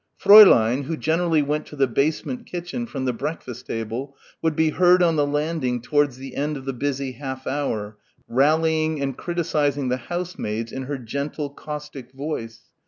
Fräulein, who generally went to the basement kitchen from the breakfast table, would be heard on the landing towards the end of the busy half hour, rallying and criticising the housemaids in her gentle caustic voice.